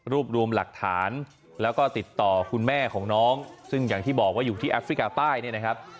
รวมรวมหลักฐานแล้วก็ติดต่อคุณแม่ของน้องซึ่งอย่างที่บอกว่าอยู่ที่แอฟริกาใต้เนี่ยนะครับ